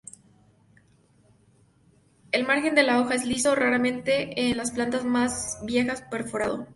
El margen de la hoja es liso, raramente en las plantas más viejas, perforado.